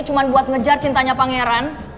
cuma buat ngejar cintanya pangeran